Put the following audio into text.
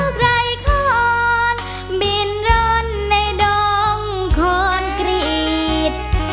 ทุกรายคอนบินร้อนในดองคอนกรีต